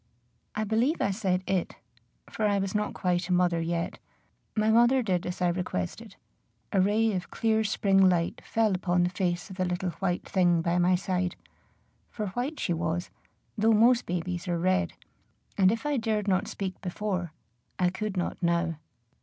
I believe I said it, for I was not quite a mother yet. My mother did as I requested; a ray of clear spring light fell upon the face of the little white thing by my side, for white she was, though most babies are red, and if I dared not speak before, I could not now.